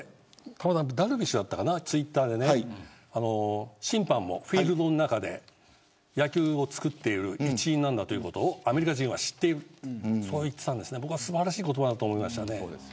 ダルビッシュだったかなツイッターで審判もフィールドの中で野球を作っている一員なんだということをアメリカ人は知っていると言っていたんですけれど僕は素晴らしい言葉だと思いました。